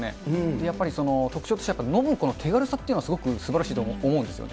やっぱり特徴として飲む手軽さというのは、すごくすばらしいと思うんですよね。